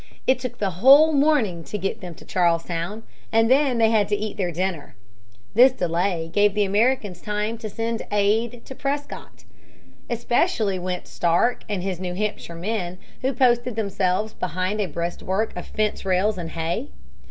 It took the whole morning to get them to Charlestown, and then they had to eat their dinner. This delay gave the Americans time to send aid to Prescott. Especially went Stark and his New Hampshire men, who posted themselves behind a breastwork of fence rails and hay.